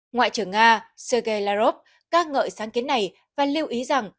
ngoại trưởng nga sergei lavrov ca ngợi sáng kiến này và lưu ý rằng